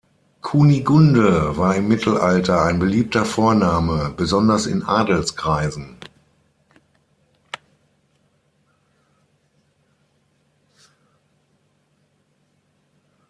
Kunigunde war im Mittelalter ein beliebter Vorname, besonders in Adelskreisen.